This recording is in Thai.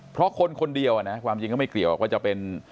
เพราะคนคนเดียวนะความจริงก็ไม่เกี่ยวว่าจะเป็น